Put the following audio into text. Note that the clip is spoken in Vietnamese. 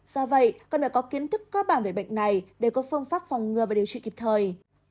do vậy cần phải có kiến thức cơ bản về bệnh này để có phương pháp phòng ngừa và điều trị kịp thời